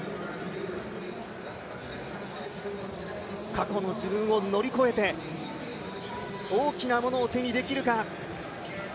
２ｍ過去の自分を乗り越えて大きなものを手にできるか。